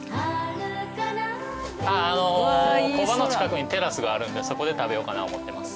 工場の近くにテラスがあるんでそこで食べようかな思ってます。